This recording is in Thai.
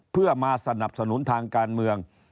เพื่อมาสนับสนุนทางการเมือง